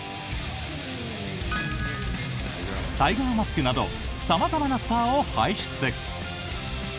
タイガーマスクなど様々なスターを輩出。